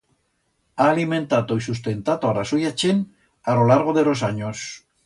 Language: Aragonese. Ha alimentato y sustentato a ra suya chent a ro largo de ros anyos.